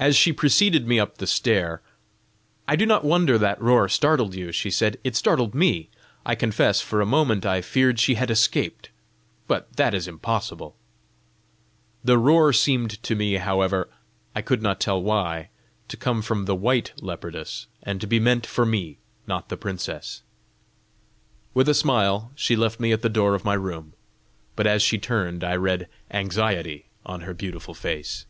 As she preceded me up the stair, "I do not wonder that roar startled you!" she said. "It startled me, I confess: for a moment I feared she had escaped. But that is impossible." The roar seemed to me, however I could not tell why to come from the WHITE leopardess, and to be meant for me, not the princess. With a smile she left me at the door of my room, but as she turned I read anxiety on her beautiful face.